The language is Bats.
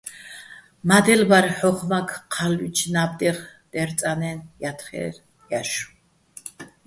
მა́დელ ბარ ჰ̦ოხ მაქ ჴალლუჩო̆ ნა́ბდეღ დე́რწანაჲნო̆, - ჲათხერ ჲაშო̆.